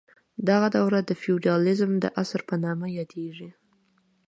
دغه دوره د فیوډالیزم د عصر په نامه هم یادیږي.